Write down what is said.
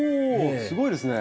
すごいですね。